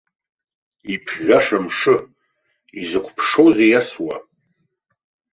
Иԥжәаша мшы, изакә ԥшоузеи иасуа!